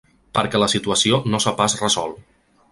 Perquè la situació no s’ha pas resolt.